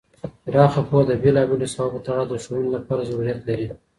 پراخ پوهه د بیلا بیلو ساحو په تړاو د ښوونې لپاره ضروریت لري.